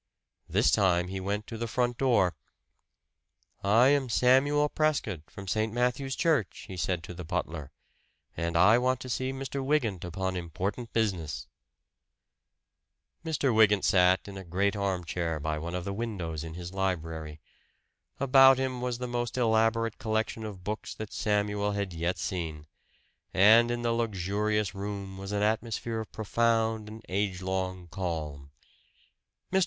This time he went to the front door. "I am Samuel Prescott, from St. Matthew's Church," he said to the butler. "And I want to see Mr. Wygant upon important business." Mr. Wygant sat in a great armchair by one of the windows in his library. About him was the most elaborate collection of books that Samuel had yet seen; and in the luxurious room was an atmosphere of profound and age long calm. Mr.